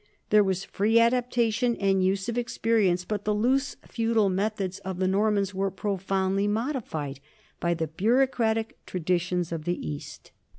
There was free adaptation and use of experience, but the loose feudal methods of the THE NORMAN KINGDOM OF SICILY 227 Normans were profoundly modified by the bureaucratic traditions of the East.